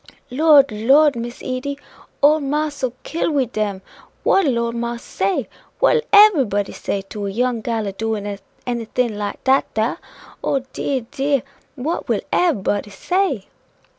"Lord, Lord, Miss Edy! ole marse 'ill kill we dem. What 'ill old marse say? What 'ill everybody say to a young gal a doin' of anything like dat dar? Oh, dear! dear! what will everybody say?"